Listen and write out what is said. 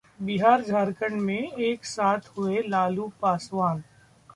बिहार-झारखंड में एक साथ हुए लालू-पासवान